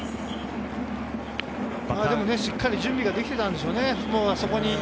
しっかり準備ができていたんでしょうね。